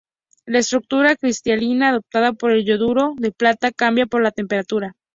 La estructura cristalina adoptada por el yoduro de plata cambia con la temperatura.